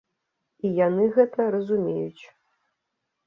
І яны гэта разумеюць.